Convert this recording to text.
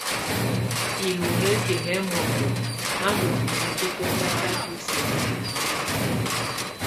Ilunǝki yɛ mɔndɔ a ndù ntuinyii tu kɔtakatɔ sɛma u nioni.